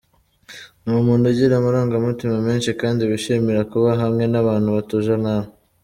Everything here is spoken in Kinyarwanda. Ni umuntu ugira amarangamutima menshi kandi wishimira kuba hamwe n’abantu batuje nkawe.